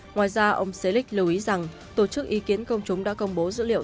ngoài ra ông selic lưu ý rằng tổ chức ý kiến công chúng đã công bố dữ liệu